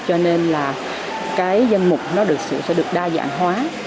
cho nên danh mục sẽ được đa dạng hóa